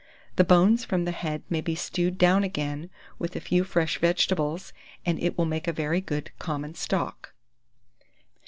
The bones from the head may be stewed down again, with a few fresh vegetables, and it will make a very good common stock.